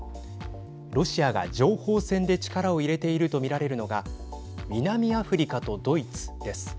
ロシアが情報戦で力を入れていると見られるのが南アフリカとドイツです。